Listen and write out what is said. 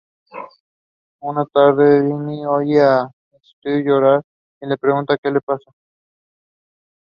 Una tarde, Vinny oye a Stewie llorar y le pregunta que le pasa.